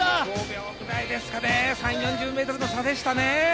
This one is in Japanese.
５秒くらいですかね、３０４０ｍの差でしたね。